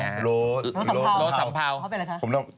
เขาเป็นอะไรคะ